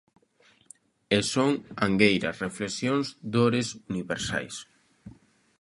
E son angueiras, reflexións, dores universais.